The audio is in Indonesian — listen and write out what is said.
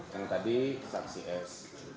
yang tadi saksi s